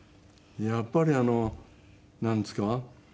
やっぱりなんですか。